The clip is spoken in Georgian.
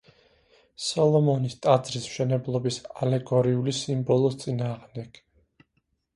სოლომონის ტაძრის მშენებლობის ალეგორიული სიმბოლოს წინააღმდეგ.